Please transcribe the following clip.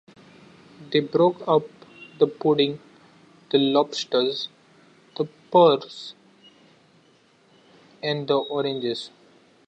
They broke up the pudding, the lobsters, the pears, and the oranges.